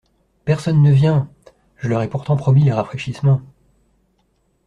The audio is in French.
Personne ne vient ! je leur ai pourtant promis les rafraîchissements.